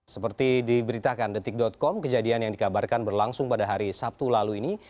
seperti diberitakan detik com kejadian yang dikabarkan berlangsung pada hari sabtu lalu ini